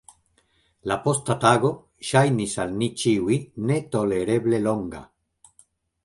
La posta tago ŝajnis al ni ĉiuj netolereble longa.